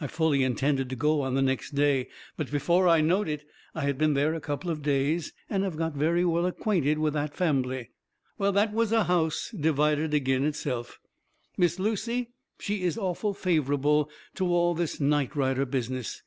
I fully intended to go on the next day, but before I knowed it I been there a couple of days, and have got very well acquainted with that fambly. Well, that was a house divided agin itself. Miss Lucy, she is awful favourable to all this nightrider business.